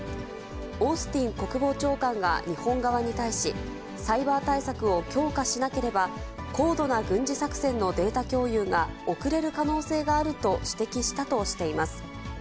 オースティン国防長官が日本側に対し、サイバー対策を強化しなければ、高度な軍事作戦のデータ共有が遅れる可能性があると指摘したとしています。